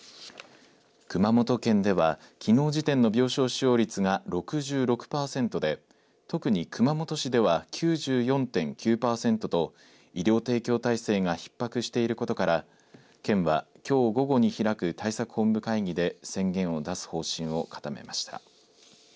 熊本県ではきのう時点の病床使用率が６６パーセントで特に熊本市では９４．９パーセントと医療提供体制がひっ迫していることから県は、きょう午後に開く対策本部会議で宣言を出す方針を固めました。